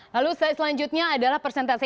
lalu selanjutnya adalah persentase